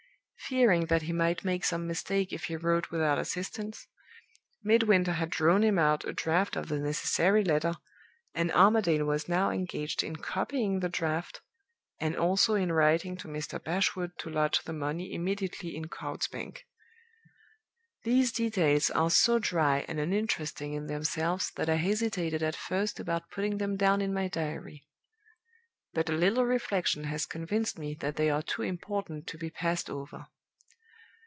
Fearing that he might make some mistake if he wrote without assistance, Midwinter had drawn him out a draft of the necessary letter, and Armadale was now engaged in copying the draft, and also in writing to Mr. Bashwood to lodge the money immediately in Coutts's Bank. "These details are so dry and uninteresting in themselves that I hesitated at first about putting them down in my diary. But a little reflection has convinced me that they are too important to be passed over.